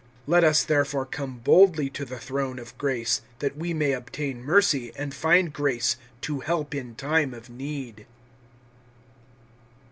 (16)Let us therefore come boldly to the throne of grace, that we may obtain mercy, and find grace to help in time of need.